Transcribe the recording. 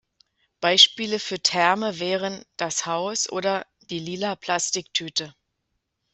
Beispiele für Terme wären "Das Haus" oder "Die lila Plastiktüte".